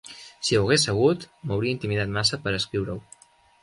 Si ho hagués sabut, m'hauria intimidat massa per escriure-ho.